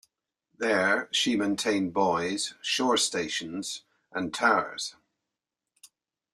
There she maintained buoys, shore stations, and towers.